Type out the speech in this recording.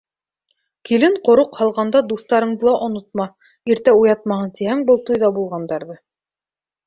Килен ҡороҡ һалғанда Дуҫтарыңды ла онотма, Иртә уятмаһын тиһәң, Был туйҙа булғандарҙы.